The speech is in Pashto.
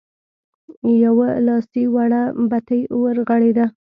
يوه لاسي وړه بتۍ ورغړېده.